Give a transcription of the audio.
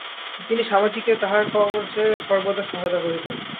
তিনি স্বামীজীকে তাঁহার কার্যে সর্বদা সহায়তা করিতেন।